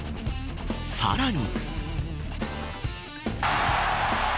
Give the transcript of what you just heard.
さらに。